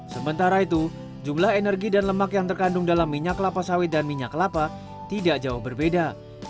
sementara itu jumlah energi dan lemak yang terkandung dalam minyak kelapa sawit dan minyak kelapa tidak jauh berbeda